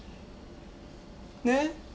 ねっ？